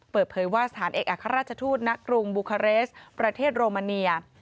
เปิดเผยว่าสถานเอกอัครราชทูตณกรุงบูคาเรสประเทศโรมาเนีย